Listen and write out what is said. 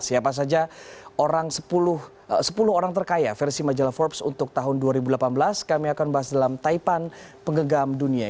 siapa saja sepuluh orang terkaya versi majalah forbes untuk tahun dua ribu delapan belas kami akan bahas dalam taipan penggegam dunia